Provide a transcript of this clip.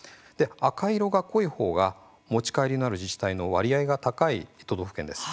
赤色が濃いほうが持ち帰りのある自治体の割合が高い都道府県です。